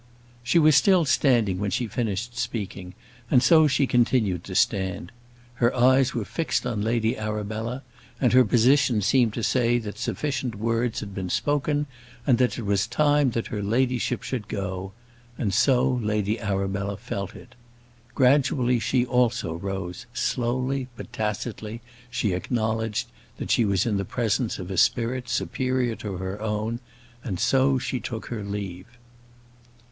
She was still standing when she finished speaking, and so she continued to stand. Her eyes were fixed on Lady Arabella, and her position seemed to say that sufficient words had been spoken, and that it was time that her ladyship should go; and so Lady Arabella felt it. Gradually she also rose; slowly, but tacitly, she acknowledged that she was in the presence of a spirit superior to her own; and so she took her leave.